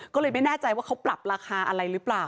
ก็เลยไม่แน่ใจว่าเขาปรับราคาอะไรหรือเปล่า